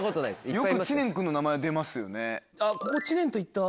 よく知念君の名前出ますよね。